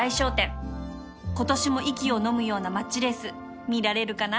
今年も息をのむようなマッチレース見られるかな